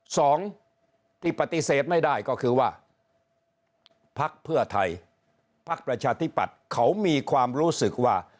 สองที่ปฏิเสธไม่ได้ก็คือว่าพักเพื่อไทยพักประชาธิปัตย์เขามีความรู้สึกว่า